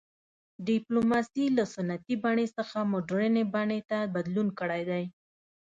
ډیپلوماسي له سنتي بڼې څخه مډرنې بڼې ته بدلون کړی دی